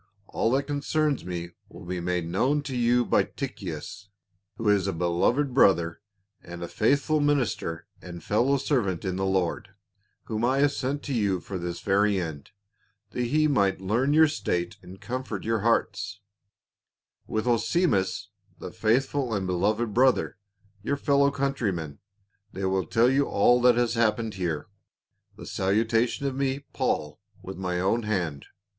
All that concerns me will be made known to you by Tychicus, who is a beloved brother, and a faithful minister and fellow servant in the Lord : whom I have sent to you for this very end, that he might learn your state and comfort your hearts ; with Onesi mus, the faithful and beloved brother, your fellow countryman ; they will tell you all that has hap pened here The salutation of me, Paul, v/ith my own hand.